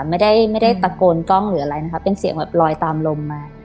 ไม่ได้ไม่ได้ตะโกนกล้องหรืออะไรนะคะเป็นเสียงแบบลอยตามลมมา